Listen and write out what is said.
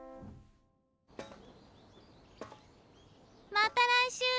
・また来週。